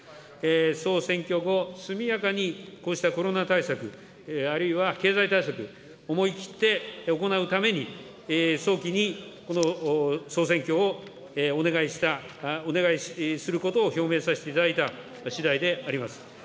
総選挙後、速やかにこうしたコロナ対策、あるいは経済対策、思い切って行うために早期にこの総選挙をお願いした、お願いすることを表明させていただいたしだいであります。